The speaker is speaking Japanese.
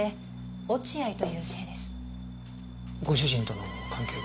ご主人との関係は？